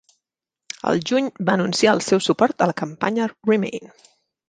Al juny, va anunciar el seu suport a la campanya Remain.